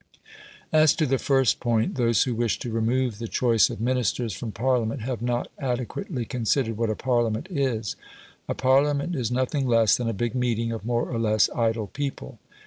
As to the first point, those who wish to remove the choice of Ministers from Parliament have not adequately considered what a Parliament is. A Parliament is nothing less than a big meeting of more or less idle people.